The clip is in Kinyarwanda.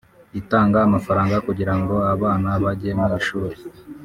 itanga amafaranga kugira ngo abana bajye mu ishuri